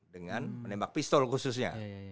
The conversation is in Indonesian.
dengan menembak pistol khususnya